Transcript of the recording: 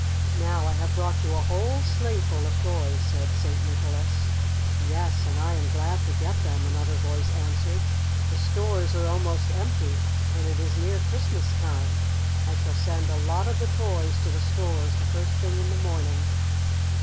"Now I have brought you a whole sleighful of toys," said St. Nicholas. "Yes, and I am glad to get them," another voice answered. "The stores are almost empty and it is near Christmas time. I shall send a lot of the toys to the stores the first thing in the morning."